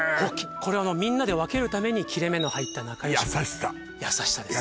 これみんなで分けるために切れ目の入ったなかよしパン優しさ優しさです